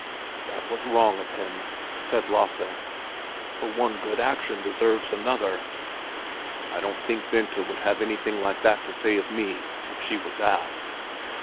"That was wrong of him," said Lasse; "for one good action deserves another. I don't think Bengta would have anything like that to say of me if she was asked."